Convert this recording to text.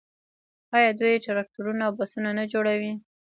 آیا دوی ټراکټورونه او بسونه نه جوړوي؟